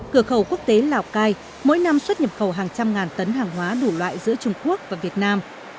cửa khẩu quốc tế lào cai mỗi năm xuất nhập khẩu hàng trăm ngàn tấn hàng hóa đủ loại giữa trung quốc và việt nam